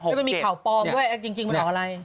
แล้วมันมีข่าวปลอมด้วยจริงมันออกอะไร